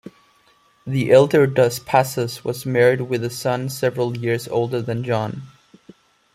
The elder Dos Passos was married with a son several years older than John.